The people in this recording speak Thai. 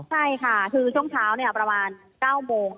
ใช่ค่ะคือช่วงเช้าประมาณ๙โมง